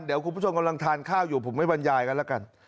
เดี๋ยวคุณผู้ชมกำลังทานข้าวอยู่ผมไม่บรรยายกันแล้วกัน